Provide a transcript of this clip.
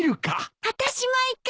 あたしも行く。